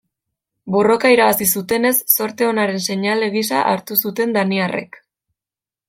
Borroka irabazi zutenez zorte onaren seinale gisa hartu zuten daniarrek.